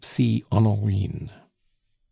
(See Honorine.)